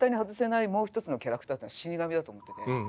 もう一つのキャラクターってのは死神だと思ってて。